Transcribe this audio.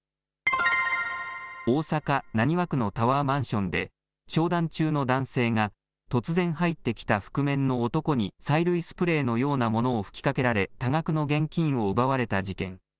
大阪・浪速区のタワーマンションで、商談中の男性が、突然入ってきた覆面の男に催涙スプレーのようなものを吹きかけられ、多額の現金を奪われた事件。